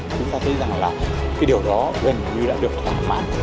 chúng ta thấy rằng là cái điều đó gần như đã được thỏa mãn